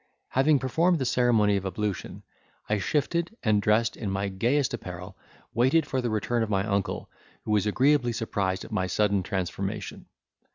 Having performed the ceremony of ablution, I shifted, and dressing in my gayest apparel, waited for the return of my uncle, who was agreeably surprised at my sudden transformation.